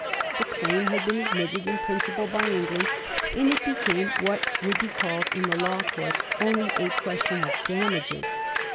The claim had been admitted in principle by England, and it became what would be called in the law courts only a question of daniages.